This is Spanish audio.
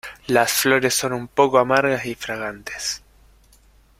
Las flores son un poco amargas y fragantes.